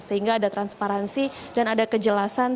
sehingga ada transparansi dan ada kejelasan